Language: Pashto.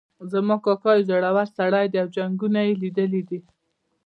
زما کاکا یو زړور سړی ده او جنګونه یې لیدلي دي